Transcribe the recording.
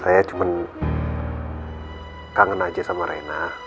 saya cuman kangen aja sama reina